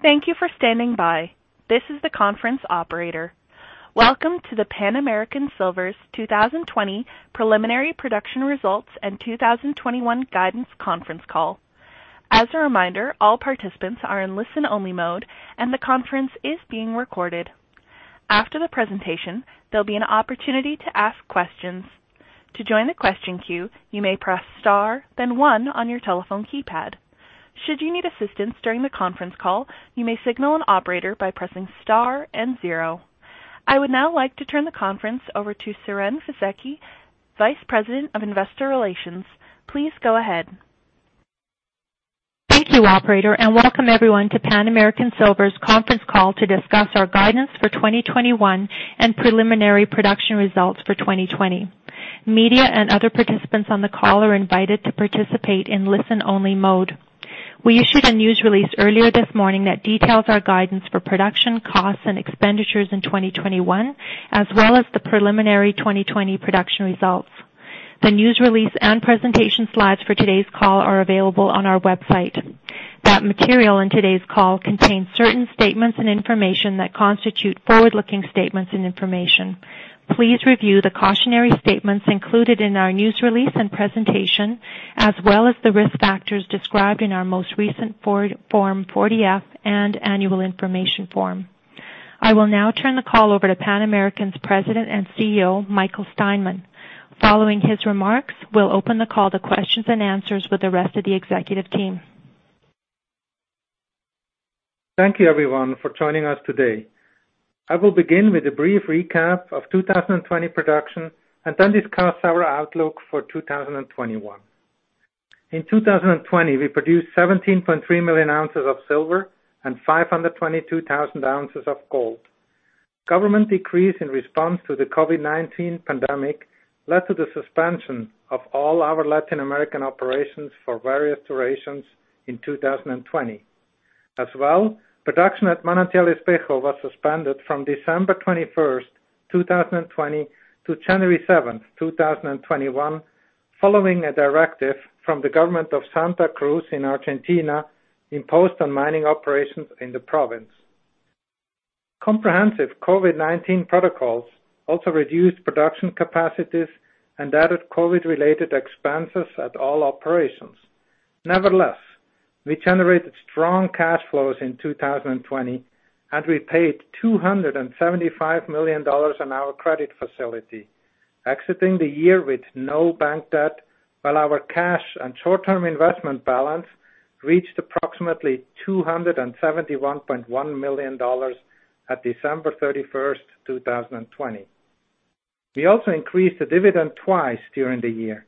Thank you for standing by. This is the conference operator. Welcome to the Pan American Silver's 2020 preliminary production results and 2021 guidance conference call. As a reminder, all participants are in listen-only mode and the conference is being recorded. After the presentation, there will be an opportunity to ask questions. To join the question queue, you may press star then one on your telephone keypad. Should you need assistance during the conference call, you may signal an operator by pressing star and zero. I would now like to turn the conference over to Siren Fisekci, Vice President of Investor Relations. Please go ahead. Thank you, operator, and welcome everyone to Pan American Silver's conference call to discuss our guidance for 2021 and preliminary production results for 2020. Media and other participants on the call are invited to participate in listen-only mode. We issued a news release earlier this morning that details our guidance for production costs and expenditures in 2021, as well as the preliminary 2020 production results. The news release and presentation slides for today's call are available on our website. That material in today's call contains certain statements and information that constitute forward-looking statements and information. Please review the cautionary statements included in our news release and presentation, as well as the risk factors described in our most recent Form 40-F and annual information form. I will now turn the call over to Pan American's President and CEO, Michael Steinmann. Following his remarks, we'll open the call to questions and answers with the rest of the executive team. Thank you, everyone, for joining us today. I will begin with a brief recap of 2020 production and then discuss our outlook for 2021. In 2020, we produced 17.3 million ounces of silver and 522,000 ounces of gold. Government decrees in response to the COVID-19 pandemic led to the suspension of all our Latin American operations for various durations in 2020. As well, production at Manantial Espejo was suspended from December 21st, 2020 to January 7th, 2021, following a directive from the government of Santa Cruz in Argentina imposed on mining operations in the province. Comprehensive COVID-19 protocols also reduced production capacities and added COVID-related expenses at all operations. Nevertheless, we generated strong cash flows in 2020, and we paid $275 million on our credit facility, exiting the year with no bank debt while our cash and short-term investment balance reached approximately $271.1 million at December 31st, 2020. We also increased the dividend twice during the year,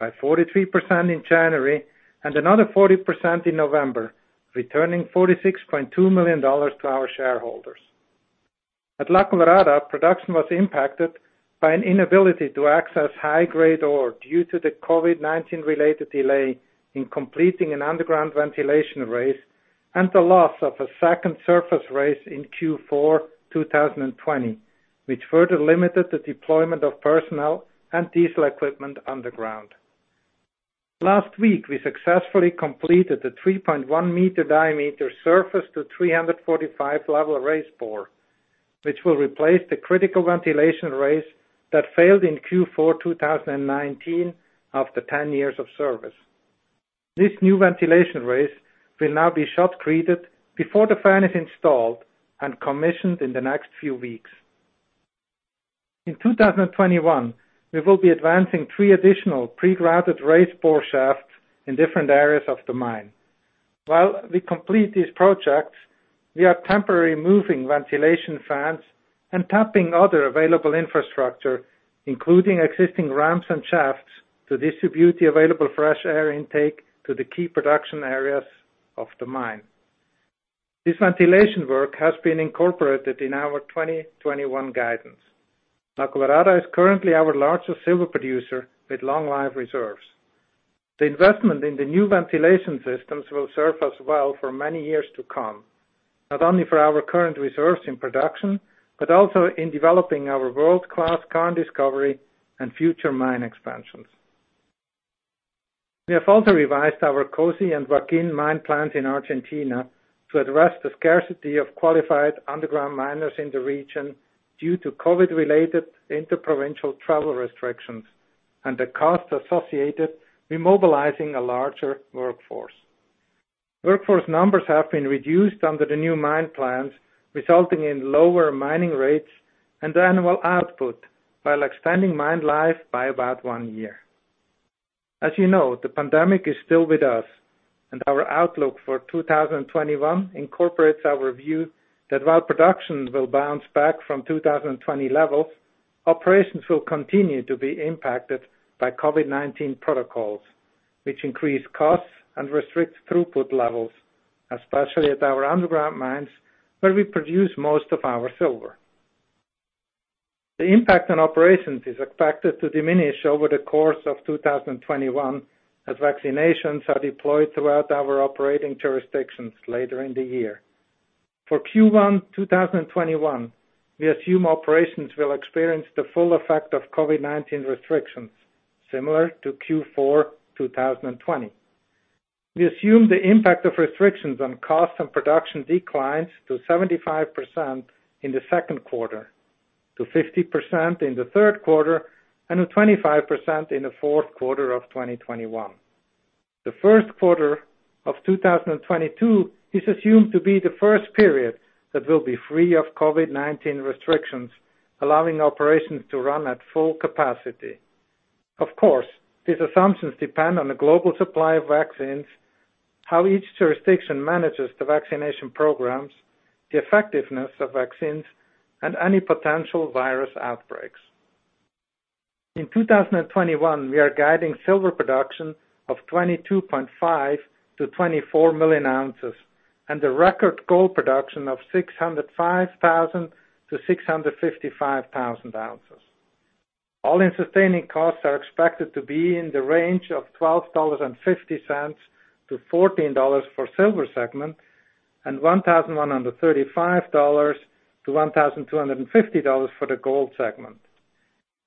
by 43% in January and another 40% in November, returning $46.2 million to our shareholders. At La Colorada, production was impacted by an inability to access high-grade ore due to the COVID-19 related delay in completing an underground ventilation raise and the loss of a second surface raise in Q4 2020, which further limited the deployment of personnel and diesel equipment underground. Last week, we successfully completed the 3.1 m diameter surface to 345 level raise bore, which will replace the critical ventilation raise that failed in Q4 2019 after 10 years of service. This new ventilation raise will now be shotcreted before the fan is installed and commissioned in the next few weeks. In 2021, we will be advancing three additional pre-graded raise bore shafts in different areas of the mine. While we complete these projects, we are temporarily moving ventilation fans and tapping other available infrastructure, including existing ramps and shafts, to distribute the available fresh air intake to the key production areas of the mine. This ventilation work has been incorporated in our 2021 guidance. La Colorada is currently our largest silver producer with long life reserves. The investment in the new ventilation systems will serve us well for many years to come, not only for our current reserves in production, but also in developing our world-class current discovery and future mine expansions. We have also revised our COSE and Joaquín mine plans in Argentina to address the scarcity of qualified underground miners in the region due to COVID-related inter-provincial travel restrictions and the cost associated remobilizing a larger workforce. Workforce numbers have been reduced under the new mine plans, resulting in lower mining rates and annual output while extending mine life by about one year. As you know, the pandemic is still with us. Our outlook for 2021 incorporates our view that while production will bounce back from 2020 levels, operations will continue to be impacted by COVID-19 protocols, which increase costs and restrict throughput levels, especially at our underground mines, where we produce most of our silver. The impact on operations is expected to diminish over the course of 2021 as vaccinations are deployed throughout our operating jurisdictions later in the year. For Q1 2021, we assume operations will experience the full effect of COVID-19 restrictions, similar to Q4 2020. We assume the impact of restrictions on cost and production declines to 75% in the second quarter, to 50% in the third quarter, and to 25% in the fourth quarter of 2021. The first quarter of 2022 is assumed to be the first period that will be free of COVID-19 restrictions, allowing operations to run at full capacity. Of course, these assumptions depend on the global supply of vaccines, how each jurisdiction manages the vaccination programs, the effectiveness of vaccines, and any potential virus outbreaks. In 2021, we are guiding silver production of 22.5 million-24 million ounces, and a record gold production of 605,000-655,000 ounces. All-in sustaining costs are expected to be in the range of $12.50-$14 for silver segment, and $1,135-$1,250 for the gold segment.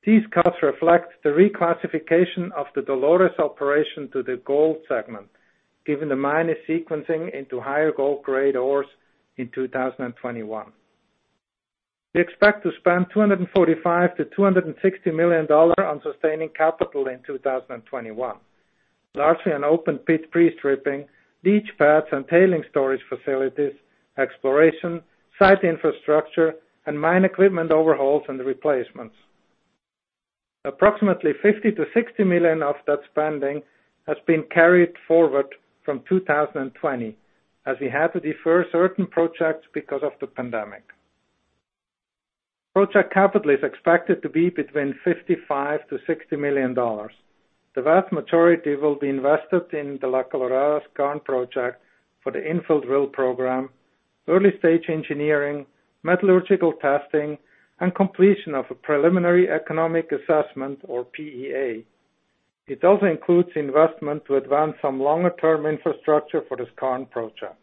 These cuts reflect the reclassification of the Dolores operation to the gold segment, given the mine is sequencing into higher gold grade ores in 2021. We expect to spend $245 million-$260 million on sustaining capital in 2021, largely on open pit pre-stripping, leach pads and tailing storage facilities, exploration, site infrastructure, and mine equipment overhauls and replacements. Approximately $50 million-$60 million of that spending has been carried forward from 2020, as we had to defer certain projects because of the pandemic. Project capital is expected to be between $55 million-$60 million. The vast majority will be invested in the La Colorada skarn project for the infill drill program, early stage engineering, metallurgical testing, and completion of a preliminary economic assessment or PEA. It also includes investment to advance some longer-term infrastructure for the skarn project.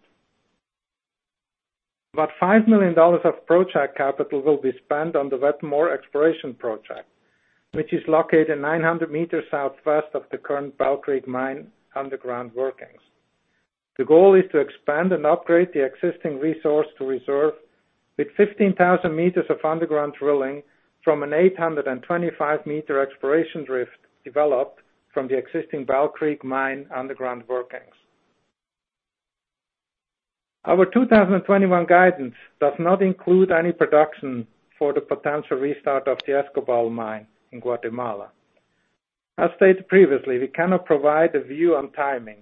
About $5 million of project capital will be spent on the Wetmore Exploration project, which is located 900 m southwest of the current Bell Creek Mine underground workings. The goal is to expand and upgrade the existing resource to reserve with 15,000 m of underground drilling from an 825-meter exploration drift developed from the existing Bell Creek Mine underground workings. Our 2021 guidance does not include any production for the potential restart of the Escobal Mine in Guatemala. As stated previously, we cannot provide a view on timing.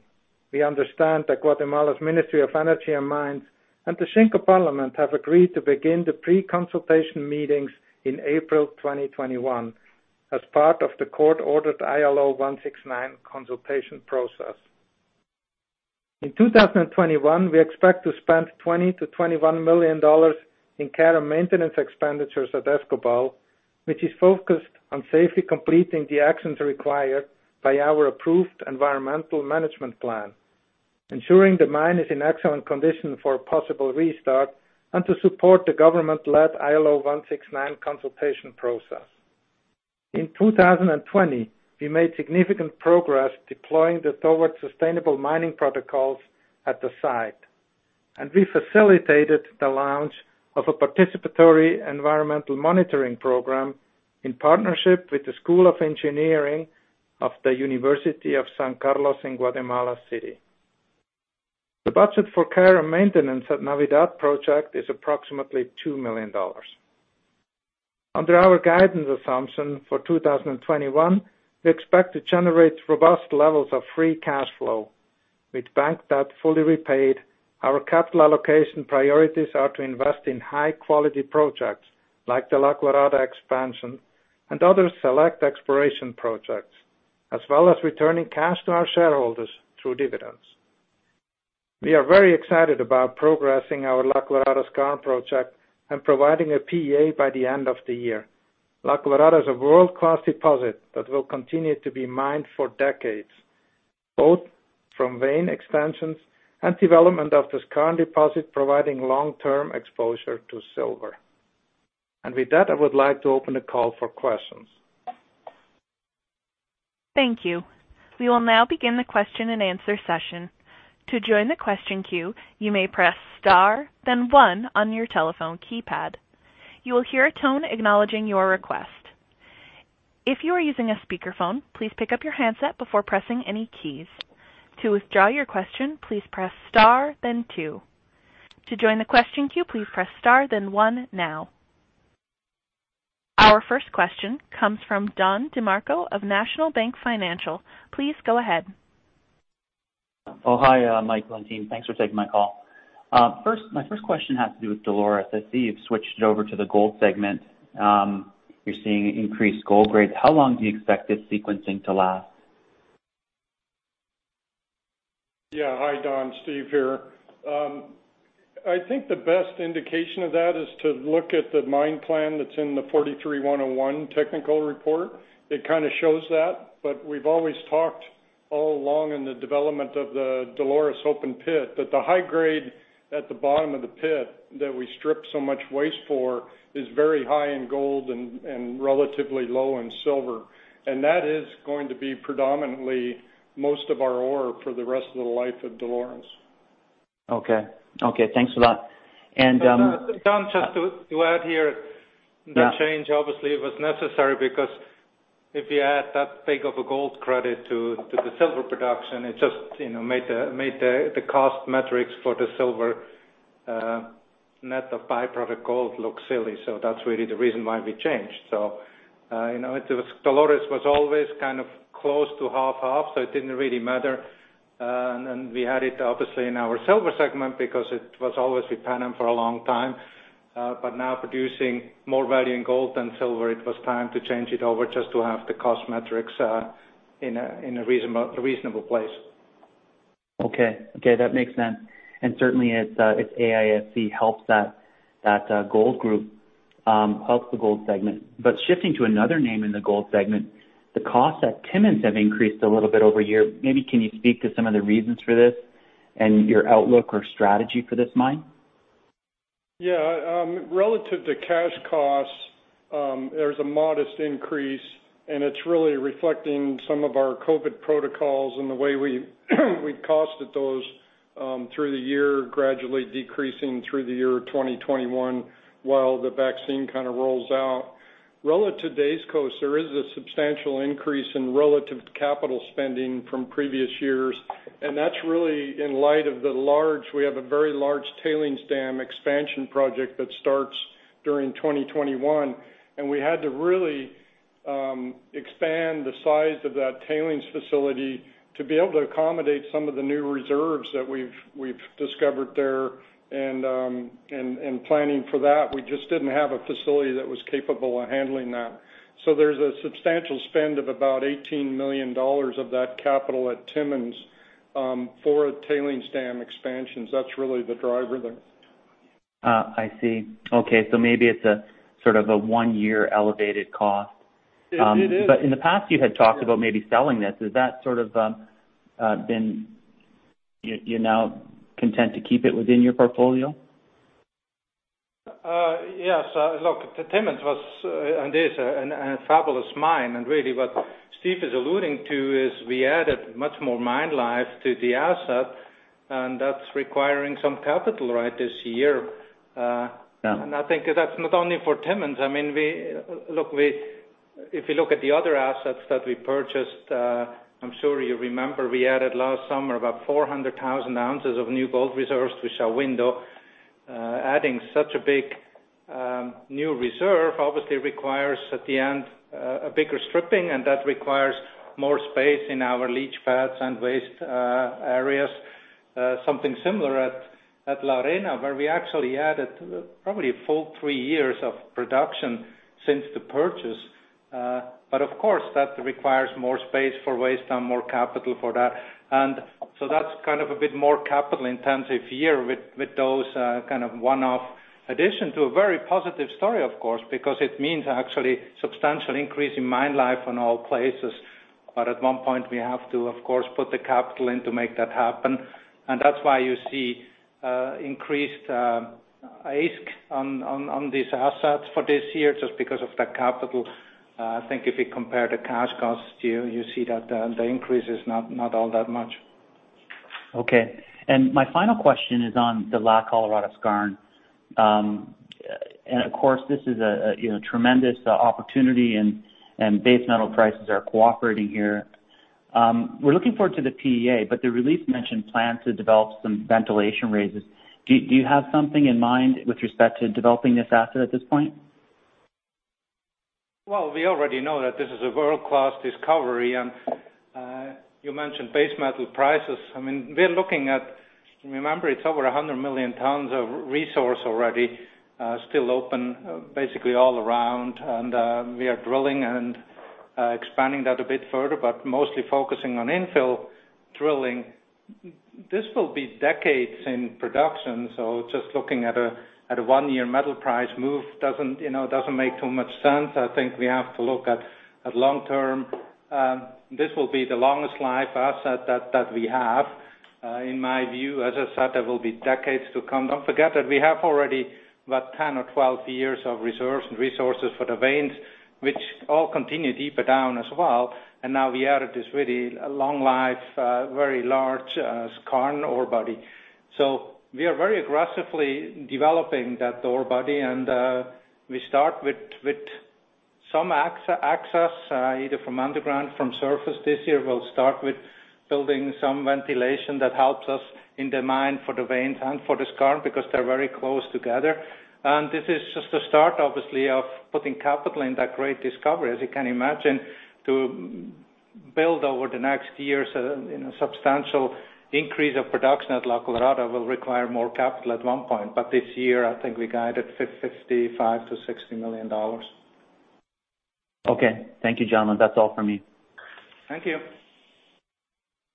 We understand that Guatemala's Ministry of Energy and Mines and the Xinka Parliament have agreed to begin the pre-consultation meetings in April 2021 as part of the court-ordered ILO 169 consultation process. In 2021, we expect to spend $20 million-$21 million in care and maintenance expenditures at Escobal, which is focused on safely completing the actions required by our approved environmental management plan, ensuring the mine is in excellent condition for a possible restart, and to support the government-led ILO 169 consultation process. In 2020, we made significant progress deploying the Towards Sustainable Mining protocols at the site, and we facilitated the launch of a participatory environmental monitoring program in partnership with the School of Engineering of the University of San Carlos in Guatemala City. The budget for care and maintenance at Navidad Project is approximately $2 million. Under our guidance assumption for 2021, we expect to generate robust levels of free cash flow. With bank debt fully repaid, our capital allocation priorities are to invest in high-quality projects like the La Colorada expansion and other select exploration projects, as well as returning cash to our shareholders through dividends. We are very excited about progressing our La Colorada skarn project and providing a PEA by the end of the year. La Colorada is a world-class deposit that will continue to be mined for decades, both from vein expansions and development of this current deposit, providing long-term exposure to silver. With that, I would like to open the call for questions. Thank you. We will now begin the question and answer session. To join the question queue, you may press star then one on your telephone keypad. You will hear a tone acknowledging your request. If you are using a speakerphone, please pick up your handset before pressing any keys. To withdraw your question, please press star then two. To join the question queue, please press star then one now. Our first question comes from Don DeMarco of National Bank Financial. Please go ahead. Oh, hi, Mike and team. Thanks for taking my call. My first question has to do with Dolores. I see you've switched it over to the gold segment. You're seeing increased gold grades. How long do you expect this sequencing to last? Yeah. Hi, Don. Steve here. I think the best indication of that is to look at the mine plan that's in the 43-101 technical report. It kind of shows that. All along in the development of the Dolores open pit, that the high grade at the bottom of the pit that we strip so much waste for is very high in gold and relatively low in silver. That is going to be predominantly most of our ore for the rest of the life of Dolores. Okay. Thanks a lot. Don, just to add here. Yeah. The change obviously was necessary because if you add that big of a gold credit to the silver production, it just made the cost metrics for the silver net of by-product gold look silly. That's really the reason why we changed. Dolores was always kind of close to half-half, so it didn't really matter. We had it obviously in our silver segment because it was always with Pan Am for a long time. Now producing more value in gold than silver, it was time to change it over just to have the cost metrics in a reasonable place. Okay. That makes sense. Certainly its AISC helps that gold group, helps the gold segment. Shifting to another name in the gold segment, the costs at Timmins have increased a little bit over a year. Maybe can you speak to some of the reasons for this and your outlook or strategy for this mine? Yeah. Relative to cash costs, there's a modest increase, it's really reflecting some of our COVID-19 protocols and the way we costed those through the year, gradually decreasing through the year 2021, while the vaccine kind of rolls out. Relative to base cost, there is a substantial increase in relative capital spending from previous years, that's really in light of the large, we have a very large tailings dam expansion project that starts during 2021, we had to really expand the size of that tailings facility to be able to accommodate some of the new reserves that we've discovered there and planning for that. We just didn't have a facility that was capable of handling that. There's a substantial spend of about $18 million of that capital at Timmins, for a tailings dam expansions. That's really the driver there. I see. Maybe it's a sort of a one-year elevated cost. It is. In the past, you had talked about maybe selling this. You're now content to keep it within your portfolio? Yes. Look, Timmins was and is a fabulous mine, and really what Steve is alluding to is we added much more mine life to the asset, and that's requiring some capital right this year. Yeah. I think that's not only for Timmins. If you look at the other assets that we purchased, I'm sure you remember we added last summer about 400,000 ounces of new gold reserves, with Shahuindo. Adding such a big new reserve obviously requires at the end a bigger stripping, and that requires more space in our leach pads and waste areas. Something similar at La Arena, where we actually added probably a full three years of production since the purchase. Of course, that requires more space for waste and more capital for that. That's kind of a bit more capital intensive year with those kind of one-off addition to a very positive story, of course, because it means actually substantial increase in mine life on all places. At one point we have to, of course, put the capital in to make that happen. That's why you see increased AISC on these assets for this year, just because of the capital. I think if you compare the cash costs here, you see that the increase is not all that much. Okay. My final question is on the La Colorada skarn. Of course, this is a tremendous opportunity and base metal prices are cooperating here. We're looking forward to the PEA, but the release mentioned plans to develop some ventilation raises. Do you have something in mind with respect to developing this asset at this point? Well, we already know that this is a world-class discovery, and you mentioned base metal prices. We're looking at, remember, it's over 100 million tons of resource already, still open, basically all around. We are drilling and expanding that a bit further, but mostly focusing on infill drilling. This will be decades in production, so just looking at a one-year metal price move doesn't make too much sense. I think we have to look at long-term. This will be the longest life asset that we have. In my view, as I said, there will be decades to come. Don't forget that we have already about 10 or 12 years of reserves and resources for the veins, which all continue deeper down as well. Now we added this really long life, very large skarn ore body. We are very aggressively developing that ore body, and we start with some access, either from underground, from surface this year. We'll start with building some ventilation that helps us in the mine for the veins and for the skarn because they're very close together. This is just the start, obviously, of putting capital in that great discovery. As you can imagine, to build over the next years a substantial increase of production at La Colorada will require more capital at one point. This year, I think we guided $55 million-$60 million. Okay. Thank you, gentlemen. That's all from me. Thank you.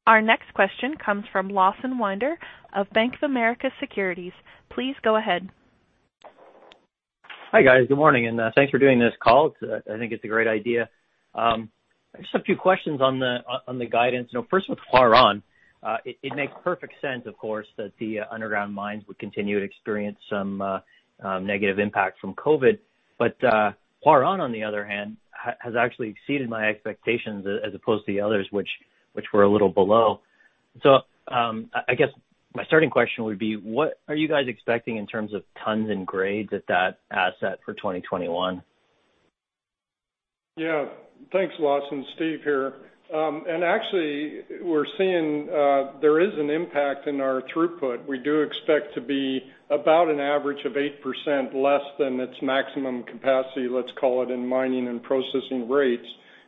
Our next question comes from Lawson Winder of Bank of America Securities. Please go ahead. Hi, guys. Good morning, and thanks for doing this call. I think it's a great idea. I just have a few questions on the guidance. First, with Huarón. It makes perfect sense, of course, that the underground mines would continue to experience some negative impact from COVID, but Huarón, on the other hand, has actually exceeded my expectations as opposed to the others, which were a little below. I guess my starting question would be, what are you guys expecting in terms of tonnes and grades at that asset for 2021? Yeah. Thanks, Lawson. Steve here. Actually, we're seeing there is an impact in our throughput. We do expect to be about an average of 8% less than its maximum capacity, let's call it, in mining and processing rates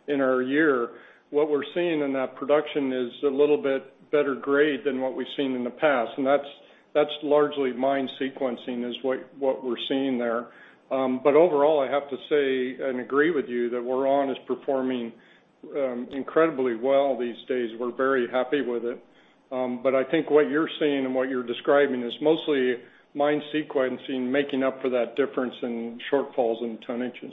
in our year. What we're seeing in that production is a little bit better grade than what we've seen in the past, and that's largely mine sequencing is what we're seeing there. Overall, I have to say and agree with you that Huarón is performing incredibly well these days. We're very happy with it. I think what you're seeing and what you're describing is mostly mine sequencing, making up for that difference in shortfalls in tonnages.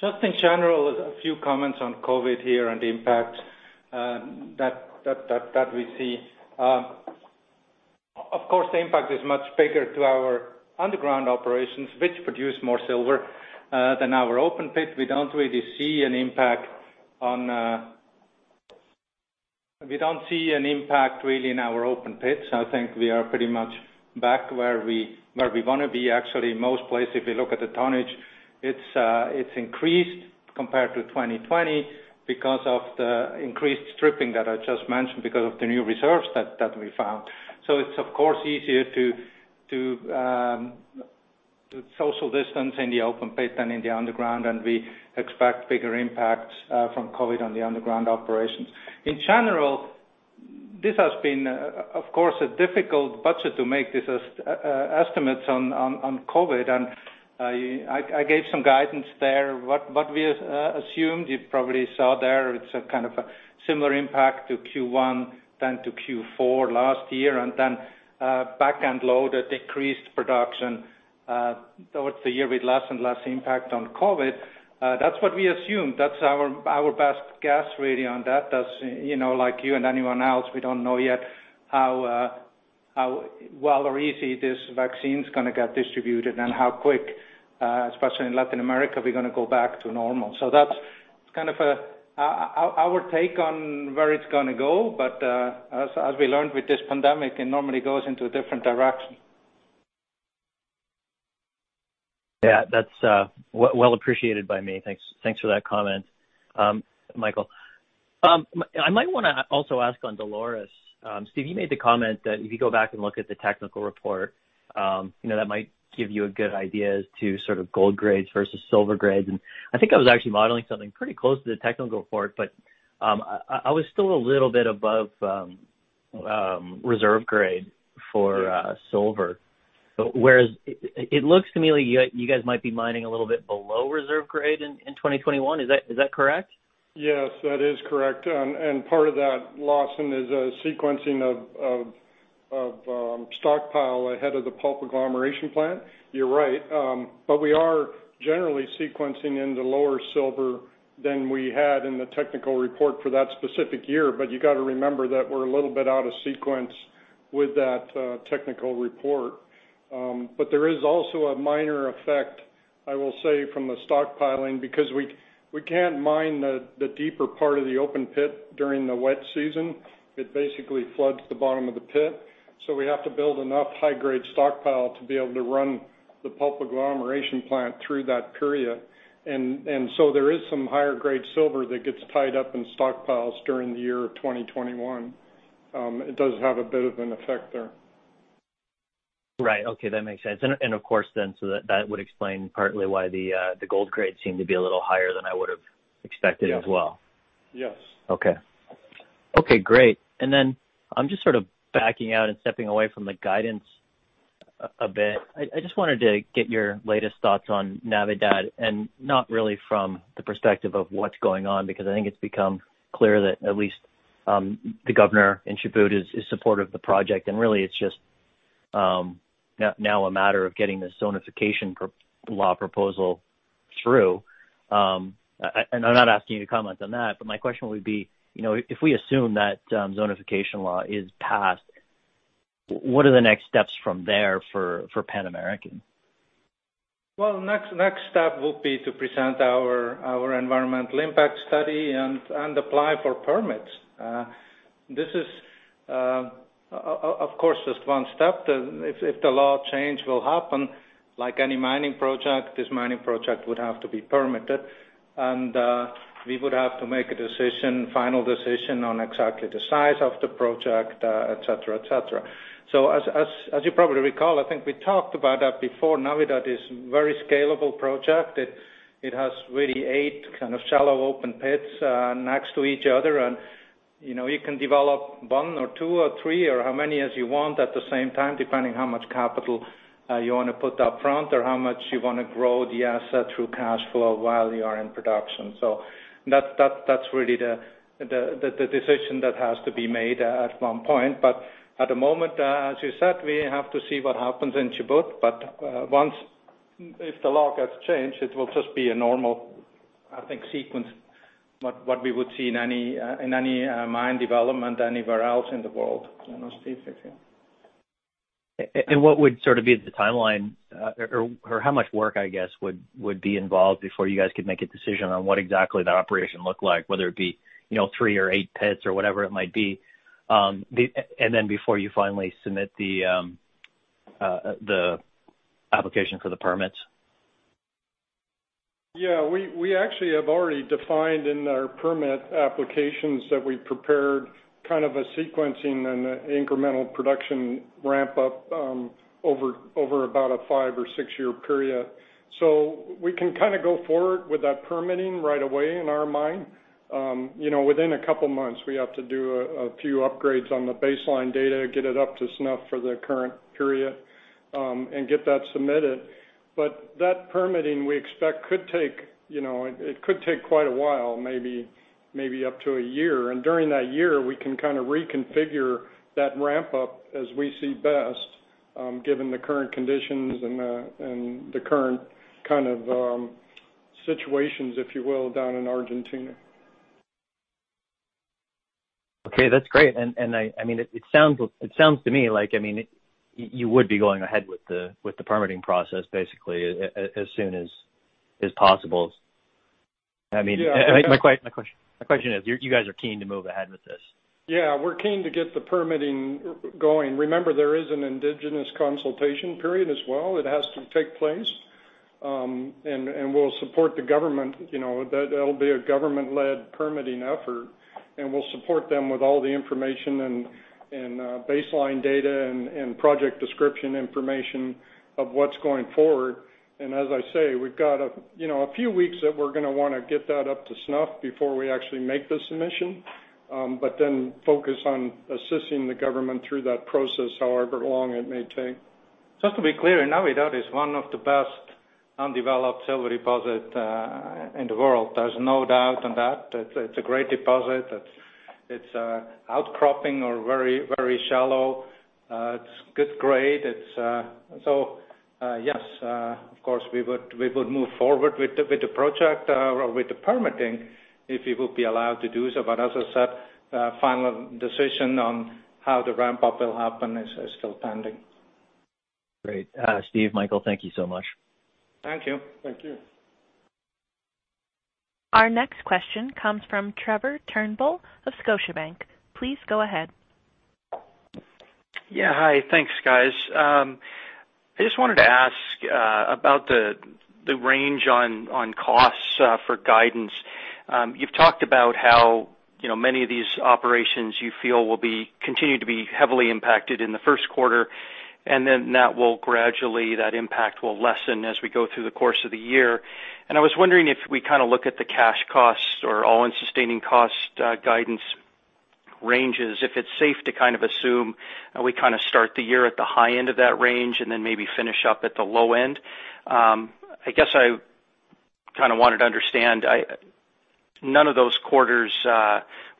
Just in general, a few comments on COVID here and the impact that we see. The impact is much bigger to our underground operations, which produce more silver than our open pit. We don't see an impact really in our open pits. I think we are pretty much back where we want to be. Actually, most places, if you look at the tonnage, it's increased compared to 2020 because of the increased stripping that I just mentioned because of the new reserves that we found. It's, of course, easier to social distance in the open pit than in the underground, and we expect bigger impacts from COVID on the underground operations. In general, this has been, of course, a difficult budget to make these estimates on COVID, and I gave some guidance there. What we assumed, you probably saw there, it's a kind of a similar impact to Q1 than to Q4 last year, and then back end load, a decreased production towards the year with less and less impact on COVID. That's what we assumed. That's our best guess really on that. Like you and anyone else, we don't know yet how well or easy this vaccine's going to get distributed and how quick, especially in Latin America, we're going to go back to normal. That's kind of our take on where it's going to go. As we learned with this pandemic, it normally goes into a different direction. Yeah, that's well appreciated by me. Thanks for that comment, Michael. I might want to also ask on Dolores. Steve, you made the comment that if you go back and look at the technical report, that might give you a good idea as to sort of gold grades versus silver grades. I think I was actually modeling something pretty close to the technical report, but I was still a little bit above reserve grade for silver. Whereas it looks to me like you guys might be mining a little bit below reserve grade in 2021. Is that correct? Yes, that is correct. Part of that, Lawson, is a sequencing of stockpile ahead of the pulp agglomeration plant. You're right. We are generally sequencing into lower silver than we had in the technical report for that specific year. You got to remember that we're a little bit out of sequence with that technical report. There is also a minor effect, I will say, from the stockpiling, because we can't mine the deeper part of the open pit during the wet season. It basically floods the bottom of the pit. We have to build enough high-grade stockpile to be able to run the pulp agglomeration plant through that period. There is some higher grade silver that gets tied up in stockpiles during the year of 2021. It does have a bit of an effect there. Right. Okay. That makes sense. Of course then, that would explain partly why the gold grade seemed to be a little higher than I would've expected as well. Yes. Okay. Okay, great. Then I'm just sort of backing out and stepping away from the guidance a bit. I just wanted to get your latest thoughts on Navidad, and not really from the perspective of what's going on, because I think it's become clear that at least the governor in Chubut is supportive of the project, and really it's just now a matter of getting this zonificación law proposal through. I'm not asking you to comment on that, but my question would be, if we assume that zonificación law is passed, what are the next steps from there for Pan American? Next step will be to present our environmental impact study and apply for permits. This is, of course, just one step. If the law change will happen, like any mining project, this mining project would have to be permitted, and we would have to make a final decision on exactly the size of the project, et cetera. As you probably recall, I think we talked about that before. Navidad is very scalable project. It has really eight kind of shallow open pits next to each other, and you can develop one or two or three or how many as you want at the same time, depending how much capital you want to put up front or how much you want to grow the asset through cash flow while you are in production. That's really the decision that has to be made at one point. At the moment, as you said, we have to see what happens in Chubut. If the law gets changed, it will just be a normal, I think, sequence what we would see in any mine development anywhere else in the world. I don't know, Steve, if you. What would sort of be the timeline or how much work, I guess, would be involved before you guys could make a decision on what exactly that operation looked like, whether it be three or eight pits or whatever it might be, and then before you finally submit the application for the permits? Yeah. We actually have already defined in our permit applications that we prepared kind of a sequencing and incremental production ramp up over about a five or six year period. We can go forward with that permitting right away in our mind. Within a couple of months, we have to do a few upgrades on the baseline data, get it up to snuff for the current period, and get that submitted. That permitting, we expect, it could take quite a while, maybe up to a year. During that year, we can kind of reconfigure that ramp up as we see best, given the current conditions and the current kind of situations, if you will, down in Argentina. Okay, that's great. It sounds to me like you would be going ahead with the permitting process basically as soon as possible. My question is, you guys are keen to move ahead with this. Yeah. We're keen to get the permitting going. Remember, there is an indigenous consultation period as well. It has to take place. We'll support the government. That'll be a government-led permitting effort, and we'll support them with all the information and baseline data and project description information of what's going forward. As I say, we've got a few weeks that we're going to want to get that up to snuff before we actually make the submission, but then focus on assisting the government through that process, however long it may take. Just to be clear, Navidad is one of the best undeveloped silver deposit in the world. There's no doubt in that. It's a great deposit. It's outcropping or very shallow. It's good grade. Yes, of course, we would move forward with the project or with the permitting if we would be allowed to do so. As I said, final decision on how the ramp up will happen is still pending. Great. Steve, Michael, thank you so much. Thank you. Thank you. Our next question comes from Trevor Turnbull of Scotiabank. Please go ahead. Yeah. Hi. Thanks, guys. I just wanted to ask about the range on costs for guidance. You've talked about how many of these operations you feel will continue to be heavily impacted in the first quarter, and then that impact will lessen as we go through the course of the year. I was wondering if we look at the cash costs or all-in sustaining cost guidance ranges, if it's safe to assume we start the year at the high end of that range and then maybe finish up at the low end. I guess I kind of wanted to understand, none of those quarters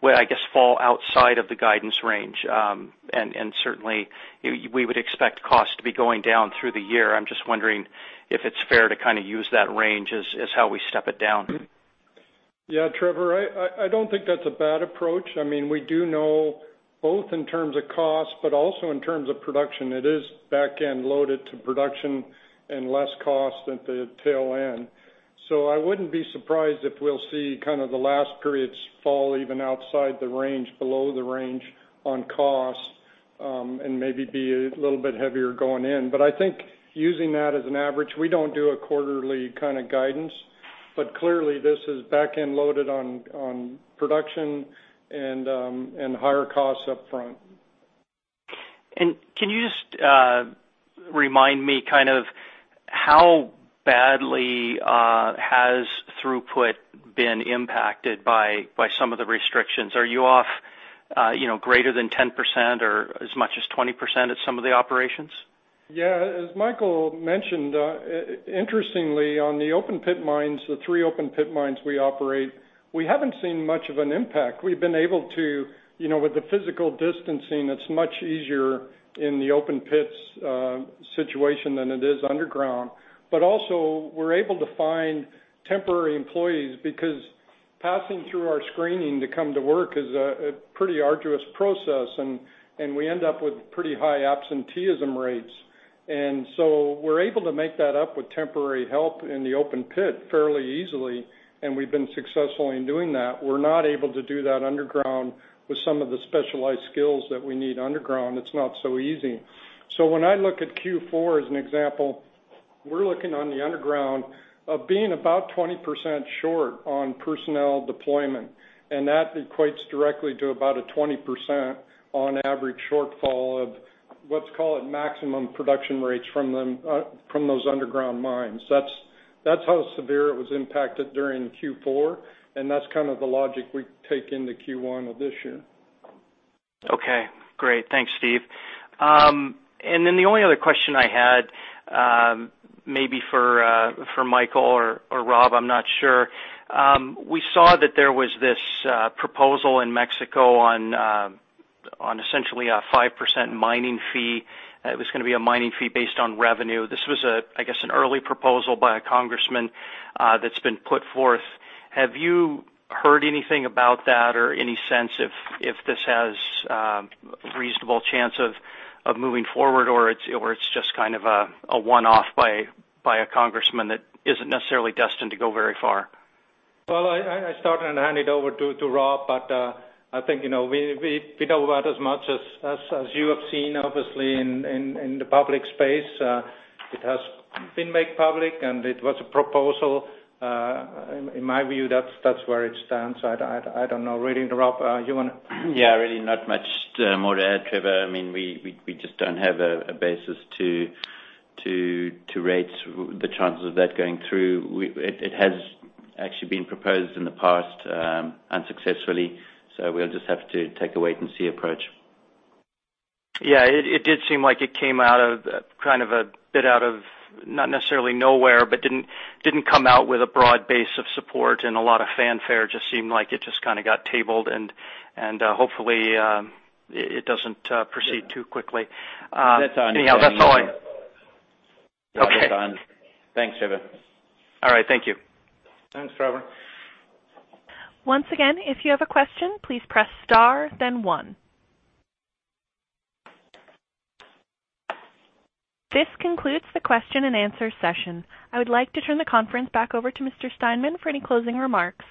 would, I guess, fall outside of the guidance range. Certainly, we would expect costs to be going down through the year. I'm just wondering if it's fair to use that range as how we step it down. Yeah, Trevor, I don't think that's a bad approach. We do know both in terms of cost, but also in terms of production, it is back-end loaded to production and less cost at the tail end. I wouldn't be surprised if we'll see the last periods fall even outside the range, below the range on cost, and maybe be a little bit heavier going in. I think using that as an average, we don't do a quarterly kind of guidance. Clearly, this is back-end loaded on production and higher costs up front. Can you just remind me how badly has throughput been impacted by some of the restrictions? Are you off greater than 10% or as much as 20% at some of the operations? As Michael mentioned, interestingly, on the open pit mines, the three open pit mines we operate, we haven't seen much of an impact. We've been able to, with the physical distancing, it's much easier in the open pits situation than it is underground. Also we're able to find temporary employees because passing through our screening to come to work is a pretty arduous process, and we end up with pretty high absenteeism rates. We're able to make that up with temporary help in the open pit fairly easily, and we've been successful in doing that. We're not able to do that underground with some of the specialized skills that we need underground. It's not so easy. When I look at Q4 as an example, we're looking on the underground of being about 20% short on personnel deployment, and that equates directly to about a 20% on average shortfall of, let's call it maximum production rates from those underground mines. That's how severe it was impacted during Q4, and that's kind of the logic we take into Q1 of this year. Okay, great. Thanks, Steve. The only other question I had, maybe for Michael or Rob, I'm not sure. We saw that there was this proposal in Mexico on essentially a 5% mining fee. It was going to be a mining fee based on revenue. This was, I guess, an early proposal by a congressman that's been put forth. Have you heard anything about that or any sense if this has a reasonable chance of moving forward, or it's just kind of a one-off by a congressman that isn't necessarily destined to go very far? I started and hand it over to Rob, but I think, we know about as much as you have seen, obviously, in the public space. It has been made public. It was a proposal. In my view, that's where it stands. I don't know really. Rob, you want to? Yeah, really not much more to add, Trevor. We just don't have a basis to rate the chances of that going through. It has actually been proposed in the past unsuccessfully, so we'll just have to take a wait and see approach. Yeah. It did seem like it came a bit out of, not necessarily nowhere, but didn't come out with a broad base of support and a lot of fanfare. Just seemed like it just got tabled and, hopefully, it doesn't proceed too quickly. That's understood. Anyhow, Okay. That's understood. Thanks, Trevor. All right. Thank you. Thanks, Trevor. Once again, if you have a question, please press star, then one. This concludes the question and answer session. I would like to turn the conference back over to Mr. Steinmann for any closing remarks.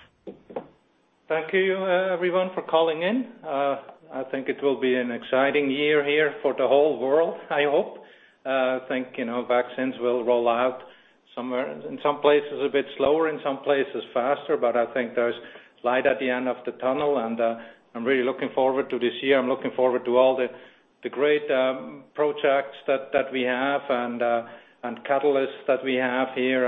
Thank you, everyone, for calling in. I think it will be an exciting year here for the whole world, I hope. I think vaccines will roll out in some places a bit slower, in some places faster, but I think there's light at the end of the tunnel, and I'm really looking forward to this year. I'm looking forward to all the great projects that we have and catalysts that we have here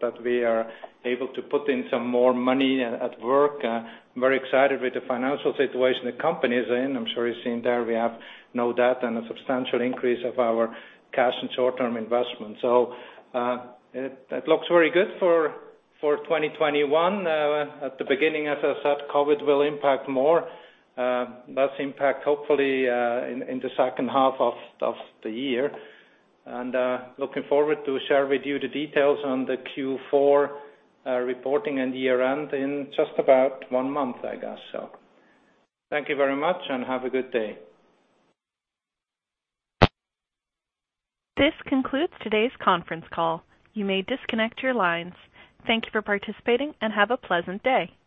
that we are able to put in some more money at work. I'm very excited with the financial situation the company is in. I'm sure you've seen there we have no debt and a substantial increase of our cash and short-term investment. It looks very good for 2021. At the beginning, as I said, COVID will impact more. Less impact, hopefully, in the second half of the year. Looking forward to share with you the details on the Q4 reporting and year-end in just about one month, I guess so. Thank you very much, and have a good day. This concludes today's conference call. You may disconnect your lines. Thank you for participating, and have a pleasant day.